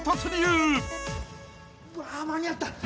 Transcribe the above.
うわ間に合った。